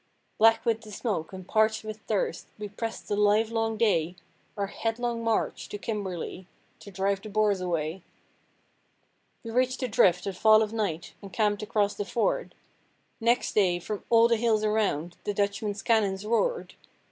Black with the smoke and parched with thirst, we pressed the livelong day Our headlong march to Kimberley to drive the Boers away. We reached the drift at fall of night, and camped across the ford. Next day from all the hills around the Dutchman's cannons roared.